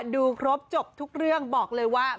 ดูครบจบทุกเรื่องบอกเลยว่า